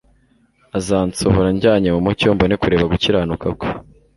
azansohora anjyane mu mucyo, mbone kureba gukiranuka kwe